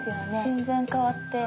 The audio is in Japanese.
全然変わって。